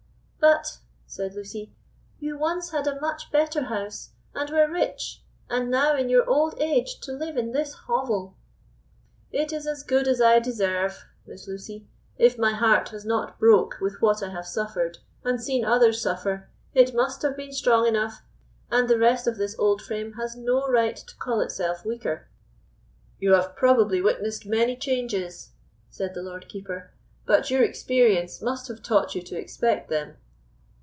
"But," said Lucy, "you once had a much better house, and were rich, and now in your old age to live in this hovel!" "It is as good as I deserve, Miss Lucy; if my heart has not broke with what I have suffered, and seen others suffer, it must have been strong enough, and the rest of this old frame has no right to call itself weaker." "You have probably witnessed many changes," said the Lord Keeper; "but your experience must have taught you to expect them."